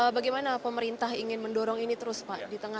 bagaimana pemerintah ingin mendorong ini terus pak di tengah